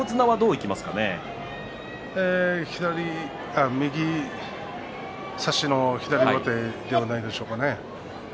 いきなり右差しの左上手ではないでしょうかね。